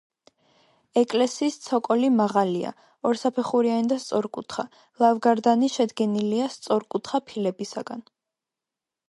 ეკლესიის ცოკოლი მაღალია, ორსაფეხურიანი და სწორკუთხა; ლავგარდანი შედგენილია სწორკუთხა ფილებისაგან.